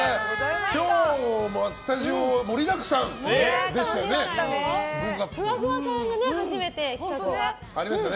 今日もスタジオは盛りだくさんでしたね。